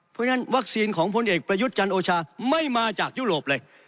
เพราะฉะนั้นวัคซีนของพลเอกประยุทธ์จันโอชาไม่มาจากยุโรปเลย